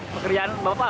pekerjaan bapak apa